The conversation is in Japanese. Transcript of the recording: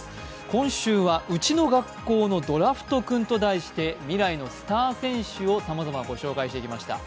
今週は「うちの学校のドラフトくん」と題して、未来のスター選手をさまざまご紹介してきました。